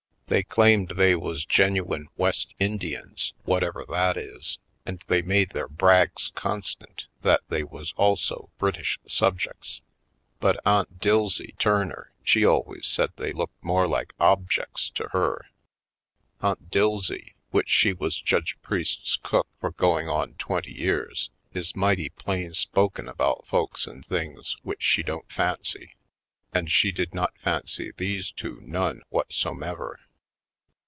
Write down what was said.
They claimed they was genuine West Indians, whatever that is, and they made their brags constant that they also was British subjects. But Aunt Dilsey Turner she always said they looked more like objects to her. Aunt Dilsey, which she was Judge Priest's cook for going on twenty years, is mighty plain spoken about folks and things which she don't fancy. And she did not fancy these two none whatsomever.